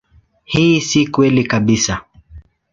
Hii si kweli kabisa.